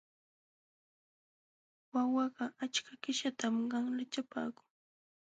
Wawakaq achka qishatam qanlachapaakun.